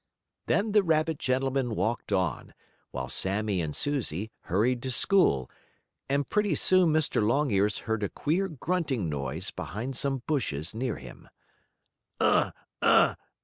Then the rabbit gentleman walked on, while Sammie and Susie hurried to school, and pretty soon Mr. Longears heard a queer grunting noise behind some bushes near him. "Ugh!